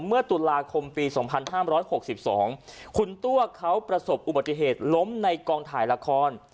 เมื่อตุลาคมปีสองพันห้ามร้อนหกสิบสองคุณตั้วเขาประสบอุบัติเหตุล้มในกองถ่ายละคร